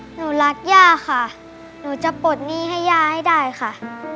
หนูรักย่าค่ะหนูจะปลดหนี้ให้ย่าให้ได้ค่ะ